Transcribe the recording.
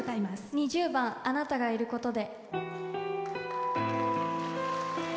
２０番「あなたがいることで」。